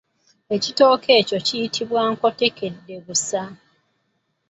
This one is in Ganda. Ekitooke ekyo kiyitibwa nkottokeddebusa.